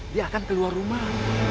dia akan keluar rumah